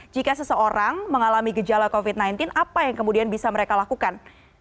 jika seseorang mengalami gejala covid sembilan belas apa yang kemudian bisa mereka lakukan